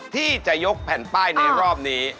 ที่จะยกแผ่นป้ายในรอบนี้